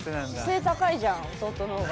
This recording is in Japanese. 背高いじゃん弟の方が。